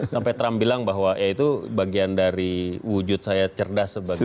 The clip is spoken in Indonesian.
sampai trump bilang bahwa ya itu bagian dari wujud saya cerdas sebagai